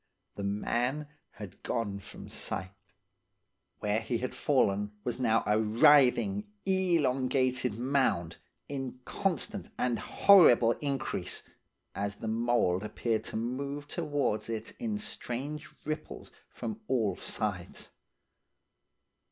The man had gone from sight. Where he had fallen was now a writhing, elongated mound, in constant and horrible increase, as the mould appeared to move towards it in strange ripples from all sides.